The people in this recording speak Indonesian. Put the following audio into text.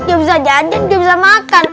gak bisa jajan gak bisa makan